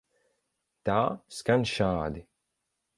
Tā skan šādi.